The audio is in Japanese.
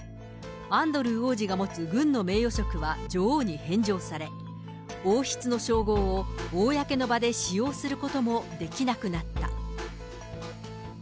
アンドルー王子が持つ軍の名誉職は女王に返上され、王室の称号を公の場で使用することもできなくなった。